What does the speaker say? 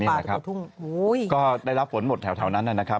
นี่แหละครับก็ได้รับฝนหมดแถวนั้นน่ะนะครับ